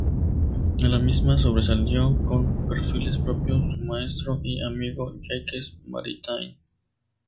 En la misma sobresalió, con perfiles propios, su maestro y amigo Jacques Maritain.